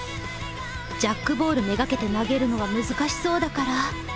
ジャックボール目がけて投げるのは難しそうだから転がす！